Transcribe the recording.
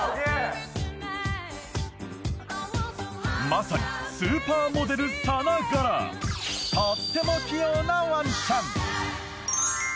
まさにスーパーモデルさながらとっても器用なワンちゃん